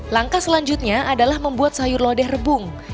langkah selanjutnya adalah membuat sayur lodeh rebung